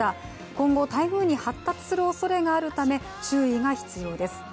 今後、台風に発達するおそれがあるため注意が必要です。